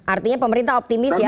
artinya pemerintah optimis ya